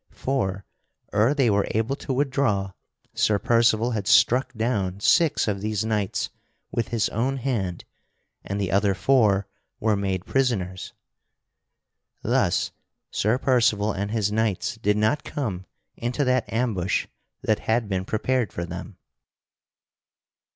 For, ere they were able to withdraw, Sir Percival had struck down six of these knights with his own hand and the other four were made prisoners. Thus Sir Percival and his knights did not come into that ambush that had been prepared for them.